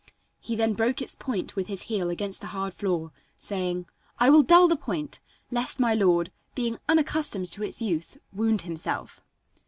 He then broke its point with his heel against the hard floor, saying: "I will dull the point, lest my lord, being unaccustomed to its use, wound himself."